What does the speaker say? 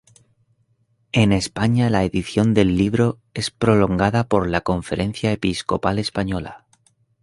En España la edición del libro es prolongada por la Conferencia Episcopal Española.